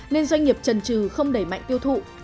nên doanh nghiệp trần trừ không đẩy mạnh tiêu thụ